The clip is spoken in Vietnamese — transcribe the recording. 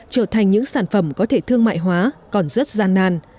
trở thành những sản phẩm có thể thương mại hóa còn rất gian nan